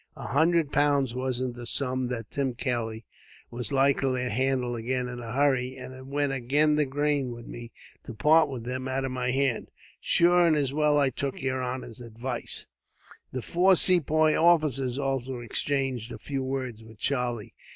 A hundred pounds wasn't a sum that Tim Kelly was likely to handle again in a hurry, and it went agin the grain with me, to part with them out of my hands. Sure and it's well I took yer honor's advice." The four Sepoy officers also exchanged a few words with Charlie.